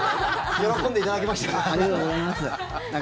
喜んでいただけましたか？